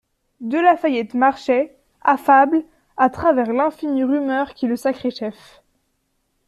De La Fayette marchait, affable, à travers l'infinie rumeur qui le sacrait chef.